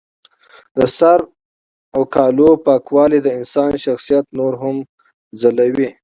د سر او کالو پاکوالی د انسان شخصیت نور هم ځلوي.